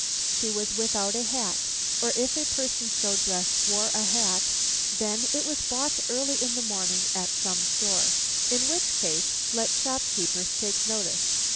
She was without a hat, or if a person so dressed wore a hat, then it was bought early in the morning at some store, in which case let shopkeepers take notice.